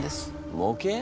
模型？